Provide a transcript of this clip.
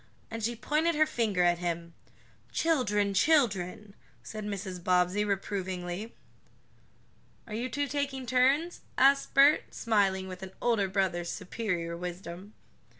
and she pointed her finger at him. "Children children," said Mrs. Bobbsey, reprovingly. "Are you two taking turns?" asked Bert, smiling with an older brother's superior wisdom.